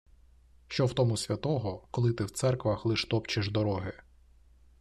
Що в тому святого, Коли ти в церквах лиш топчеш дороги.